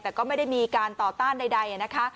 แต่ก็ไม่ได้มีการต่อต้านใดนะคะ